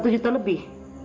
satu juta lebih